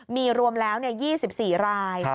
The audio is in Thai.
มีรวมแล้ว๒๔ราย